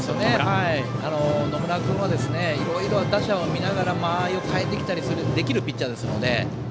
野村君はいろいろな打者を見ながら間合いを変えてきたりできるピッチャーですので。